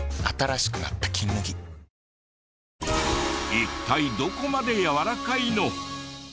一体どこまでやわらかいの？